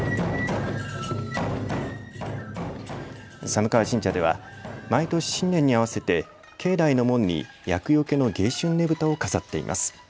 寒川神社では毎年、新年に合わせて境内の門に厄よけの迎春ねぶたを飾っています。